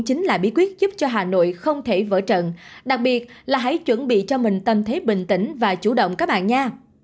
chính là bí quyết giúp cho hà nội không thể vỡ trận đặc biệt là hãy chuẩn bị cho mình tâm thế bình tĩnh và chủ động các bạn nha